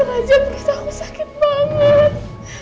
sebenernya aku sakit banget